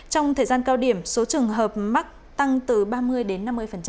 trong thời gian cao điểm số trường hợp mắc tăng từ ba mươi đến năm mươi